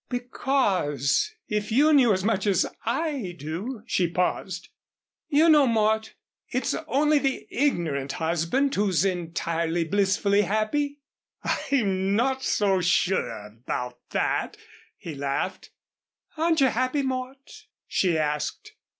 "Because if you knew as much as I do " She paused. "You know, Mort, it's only the ignorant husband who's entirely, blissfully happy." "I'm not so sure about that," he laughed. "Aren't you happy, Mort?" she asked.